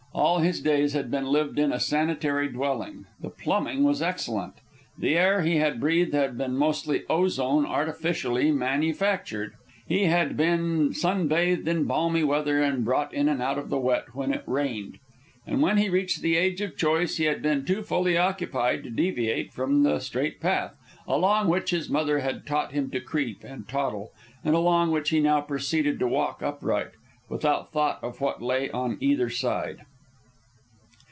All his days had been lived in a sanitary dwelling; the plumbing was excellent. The air he had breathed had been mostly ozone artificially manufactured. He had been sun bathed in balmy weather, and brought in out of the wet when it rained. And when he reached the age of choice he had been too fully occupied to deviate from the straight path, along which his mother had taught him to creep and toddle, and along which he now proceeded to walk upright, without thought of what lay on either side.